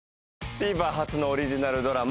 ＴＶｅｒ初のオリジナルドラマ『